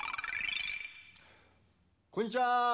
こんにちは！